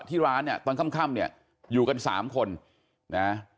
ที่ร้านตอนค่ำอยู่กัน๓คน